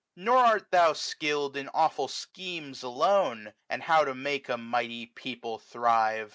Nor art thou skill'd in awful schemes alone, 30 And how to make a mighty people thrive ; WINTER.